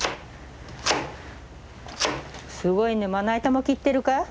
すごいねまな板も切ってるか？